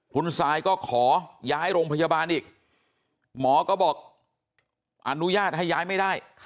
คุณซายก็ขอย้ายโรงพยาบาลอีกหมอก็บอกอนุญาตให้ย้ายไม่ได้